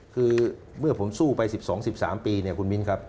คือเมื่อผมสู้ไป๑๒๑๓ปีเนี่ยคุณมิ้นครับ